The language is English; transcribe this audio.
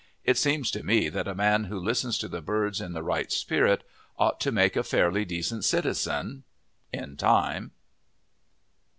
It seems to me that a man who listens to the birds in the right spirit ought to make a fairly decent citizen, in time.